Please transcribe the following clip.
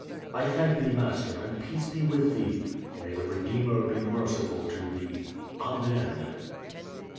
"I thank thee, master, and peace bo with thee." "May the Kedeemer be merciful to thee." "Amen."